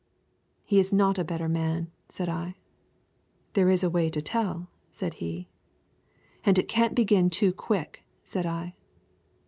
"He is not a better man," said I. "There is a way to tell," said he. "And it can't begin too quick," said I.